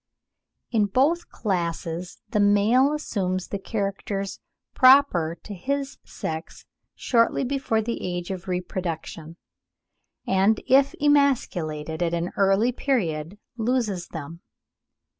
In both classes the male assumes the characters proper to his sex shortly before the age of reproduction; and if emasculated at an early period, loses them.